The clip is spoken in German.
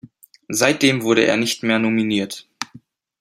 Seitdem wurde er nicht mehr nominiert.